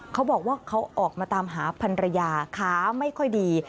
เขาบอกว่าเขาออกมาตามหาพันรยาขาไม่ค่อยดี